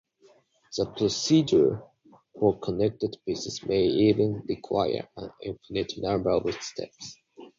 The procedure for connected pieces may even require an "infinite" number of steps.